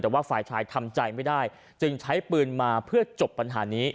แต่ว่าฝ่ายชายทำใจไม่ได้จึงใช้ปืนมาเพื่อจบปัญหานี้